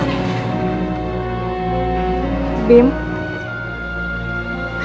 karena kamu tuh kemajuannya makin besar